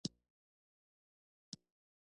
اصلي خبره دا ده چې زه له دې تیارې خوند اخلم